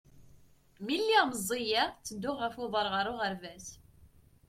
Mi lliɣ meẓẓiyeɣ, tedduɣ ɣef uḍar ɣer uɣerbaz.